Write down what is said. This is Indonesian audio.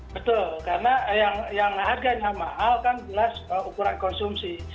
betul karena yang harganya mahal kan jelas ukuran konsumsi